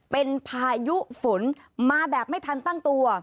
เป็นพายุฝนมาแบบไม่ทันตั้งตัว